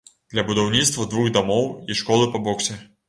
Для будаўніцтва двух дамоў і школы па боксе.